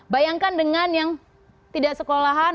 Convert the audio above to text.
bayangkan dengan yang tidak sekolahan